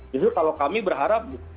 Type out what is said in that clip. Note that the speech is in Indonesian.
jadi kalau kami berharap